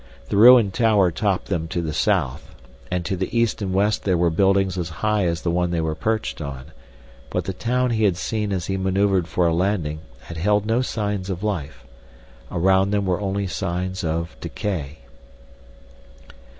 The ruined tower topped them to the south. And to the east and west there were buildings as high as the one they were perched on. But the town he had seen as he maneuvered for a landing had held no signs of life. Around them were only signs of decay.